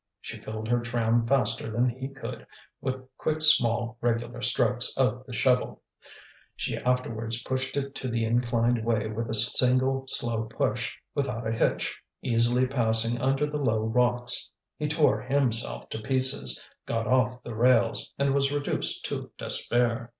She filled her tram faster than he could, with quick small regular strokes of the shovel; she afterwards pushed it to the inclined way with a single slow push, without a hitch, easily passing under the low rocks. He tore himself to pieces, got off the rails, and was reduced to despair.